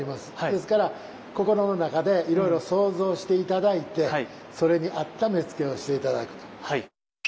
ですから心の中でいろいろ想像して頂いてそれに合った目付をして頂くと。